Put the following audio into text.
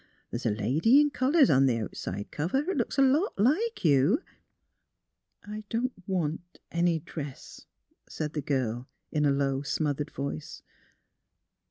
Th's a lady in colours on th' out side cover 'at looks a lot like you "'' I — I don't want any dress," said the girl, in a low, smothered voice.